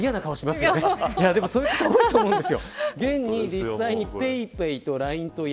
でもそういう方多いと思うんです。